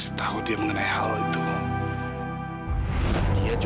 saya sebenarnya bukan